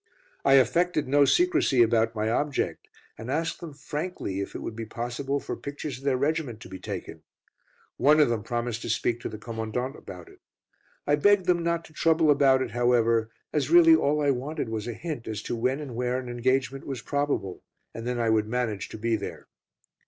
I affected no secrecy about my object, and asked them frankly if it would be possible for pictures of their regiment to be taken. One of them promised to speak to the Commandant about it. I begged them not to trouble about it, however, as really all I wanted was a hint as to when and where an engagement was probable, and then I would manage to be there.